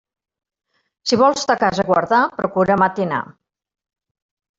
Si vols ta casa guardar, procura matinar.